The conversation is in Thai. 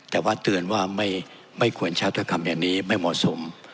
แต่ว่าเตือนว่าไม่ควรใช้ถ้อยคำอย่างนี้ไม่เหมาะสม